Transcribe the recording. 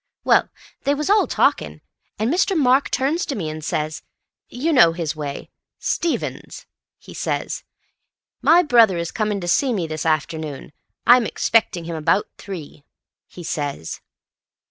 —well, they was all talking, and Mr. Mark turns to me, and says—you know his way—'Stevens,' he says, 'my brother is coming to see me this afternoon; I'm expecting him about three,' he says.